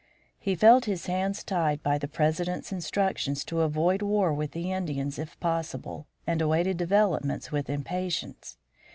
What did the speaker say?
He felt his hands tied by the President's instructions to avoid war with the Indians if possible, and awaited developments with impatience.